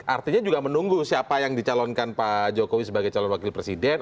artinya juga menunggu siapa yang dicalonkan pak jokowi sebagai calon wakil presiden